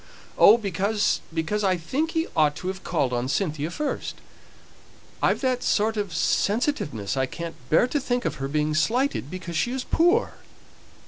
"Oh, because because I think he ought to have called on Cynthia first; I've that sort of sensitiveness I can't bear to think of her being slighted because she is poor."